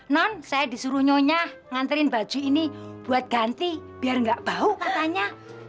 non saya disuruh nyonya nganterin baju ini buat ganti biar nggak bau katanya